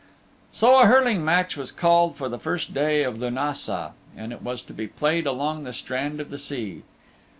So a hurling match was called for the first day of Lunassa, and it was to be played along the strand of the sea.